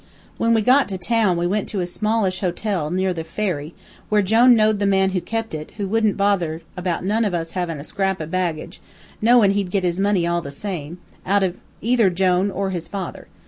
When we got to town we went to a smallish hotel, near the ferry, where Jone knowed the man who kep' it, who wouldn't bother about none of us havin' a scrap of baggage, knowin' he'd get his money all the same, out of either Jone or his father.